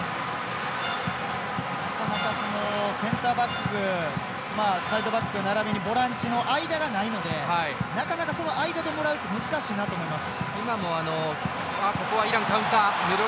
センターバックサイドバックならびにボランチの間がないのでなかなか、その間でもらうって難しいなと思います。